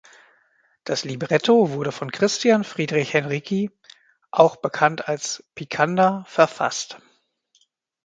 Das Libretto wurde von Christian Friedrich Henrici (auch bekannt als "Picander") verfasst.